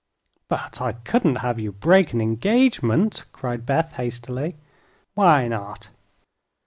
"But I couldn't have you break an engagement," cried Beth, hastily. "Why not?"